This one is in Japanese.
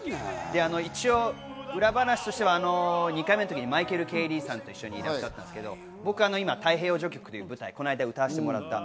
裏話としては２回目のとき、マイケル・Ｋ・リーさんと一緒にいらっしゃったんですけど、僕は今、『太平洋序曲』という舞台、この間、歌わせてもらった。